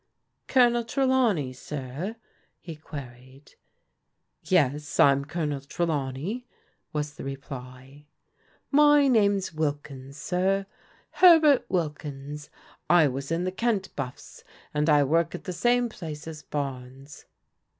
" Colonel Trelawney, sir? " he queried. " Yes, I'm Colonel Trelawney," was the repiy. " My name's Wilkins, sir, Herbert Wilkins. I was in the Kent BuflFs, and I work at the same place as Barnes."